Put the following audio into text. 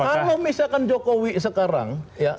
kalau misalkan jokowi sekarang